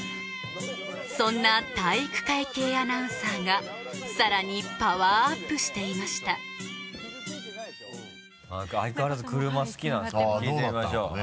そんな体育会系アナウンサーがさらにパワーアップしていました相変わらず車好きなんですかね？